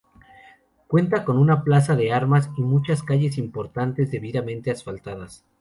Cuenta con una plaza de armas y muchas calles importantes debidamente asfaltadas.